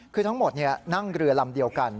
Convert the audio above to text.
คือทั้งหมดนั่งเรือลำเดียวกัน